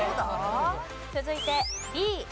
続いてＢ。